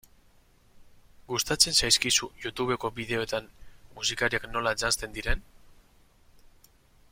Gustatzen zaizkizu Youtubeko bideoetan musikariak nola janzten diren?